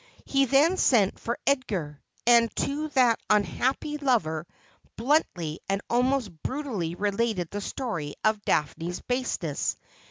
He then sent for Edgar, and to that unhappy lover bluntly and almost brutally related the story of Daphne's baseness.